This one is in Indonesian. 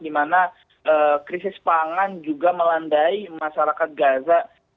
di mana krisis pangan juga melandai masyarakat gaza